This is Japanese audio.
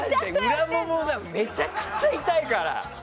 めちゃくちゃ痛いから。